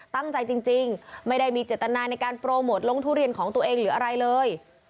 ตั้งใจจริงไม่ได้มีเจตนาในการโปรโมทลงทุเรียนของตัวเองหรืออะไรเลย